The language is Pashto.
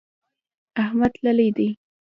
احمد تللی دی.